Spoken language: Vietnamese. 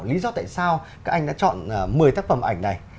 lý do tại sao các anh đã chọn một mươi tác phẩm ảnh này